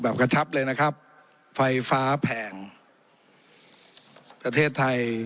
กระชับเลยนะครับไฟฟ้าแพงประเทศไทย